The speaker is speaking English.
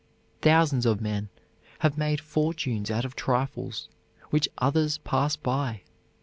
Thousands of men have made fortunes out of trifles which others pass by.